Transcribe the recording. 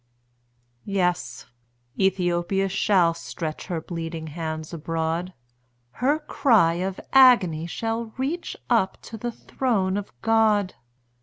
Yes, Ethiopia yet shall stretch Her bleeding hands abroad; Her cry of agony shall reach Up to the throne of God.